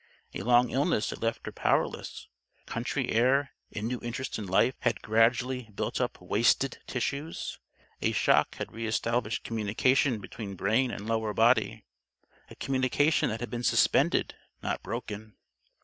A long illness had left her powerless. Country air and new interest in life had gradually built up wasted tissues. A shock had re established communication between brain and lower body a communication that had been suspended; not broken.